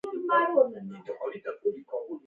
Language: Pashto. که یو کس د نورو خبرو ته پام ونه کړي